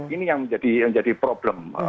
ini yang menjadi problem